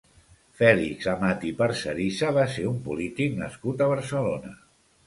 Fèlix Amat i Parcerisa va ser un polític nascut a Barcelona.